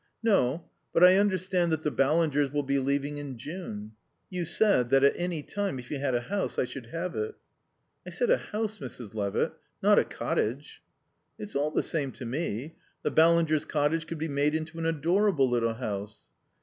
"No. But I understand that the Ballingers will be leaving in June. You said that at any time, if you had a house, I should have it." "I said a house, Mrs. Levitt, not a cottage." "It's all the same to me. The Ballingers' cottage could be made into an adorable little house."